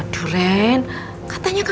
terima kasih pak